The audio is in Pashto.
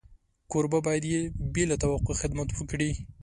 کوربه باید بې له توقع خدمت وکړي.